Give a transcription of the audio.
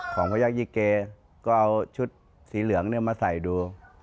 พระยักษยี่เกก็เอาชุดสีเหลืองมาใส่ดู